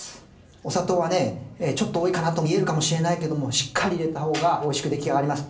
お砂糖はねちょっと多いかなと見えるかもしれないけどもしっかり入れた方がおいしく出来上がります。